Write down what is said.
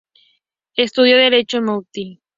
Estudió Derecho en Münich.